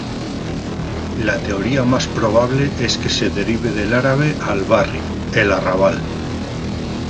La teoría más probable es que se derive del árabe "al-barri", 'el arrabal'.